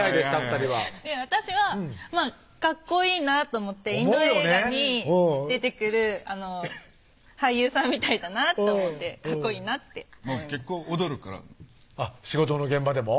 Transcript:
２人は私はかっこいいなと思ってインド映画に出てくる俳優さんみたいだなと思ってかっこいいなって結構踊るから仕事の現場でも？